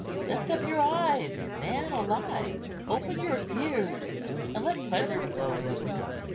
Lift up your eyes, man alive, open your ears, and let pleasure flow in.